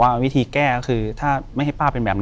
อยู่ที่แม่ศรีวิรัยยิวยลครับ